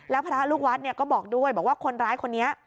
แล้วพระลูกวัดก็บอกด้วยบอกว่าคนร้ายคนนี้